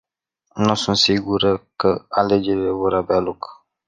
Nu sunt sigură că alegerile vor avea loc.